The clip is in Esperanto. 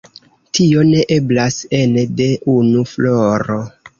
Tio ne eblas ene de unu floro.